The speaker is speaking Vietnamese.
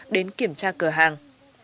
đến kiểm tra cửa hàng